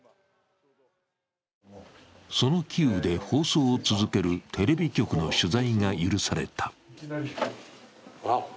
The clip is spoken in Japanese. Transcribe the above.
そのキーウで放送を続けるテレビ局の取材が許された。